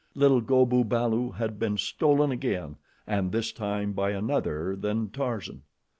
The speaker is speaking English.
Little Go bu balu had been stolen again, and this time by another than Tarzan.